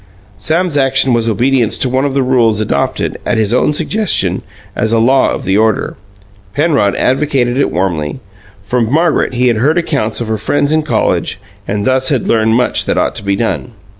Sam's action was in obedience to one of the rules adopted, at his own suggestion, as a law of the order. Penrod advocated it warmly. From Margaret he had heard accounts of her friends in college and thus had learned much that ought to be done.